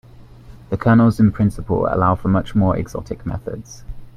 The kernels in principle allow for much more exotic methods.